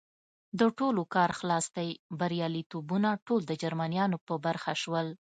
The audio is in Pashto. د ټولو کار خلاص دی، بریالیتوبونه ټول د جرمنیانو په برخه شول.